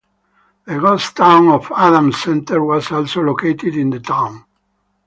The ghost town of Adams Center was also located in the town.